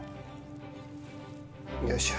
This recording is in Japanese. よいしょ。